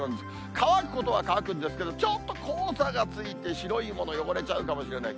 乾くことは乾くんですけれども、ちょっと黄砂がついて、白いもの、汚れちゃうかもしれない。